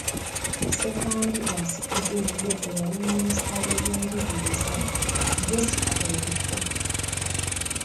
Ssekandi asikiziddwa eyali minisita w’ebyenjigiriza, Jessica Alupo.